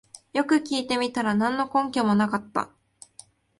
よく聞いてみたら何の根拠もなかった